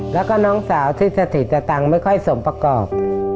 แล้วก็น้องสาวที่สถิตตังค์ไม่ค่อยสมประกอบ